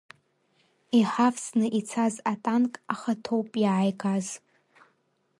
Иҳавсны ицаз атанк ахаҭоуп иааигаз.